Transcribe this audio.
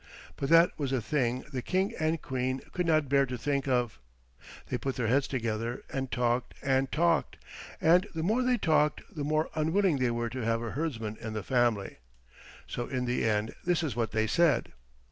But that was a thing the King and Queen could not bear to think of. They put their heads together and talked and talked, and the more they talked the more unwilling they were to have a herdsman in the family. So in the end this is what they said.